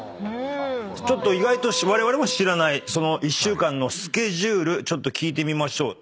意外とわれわれも知らないその１週間のスケジュールちょっと聞いてみましょう。